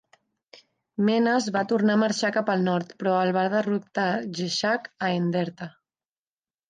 Menas va tornar a marxar cap al nord, però el va derrotar Yeshaq a Enderta.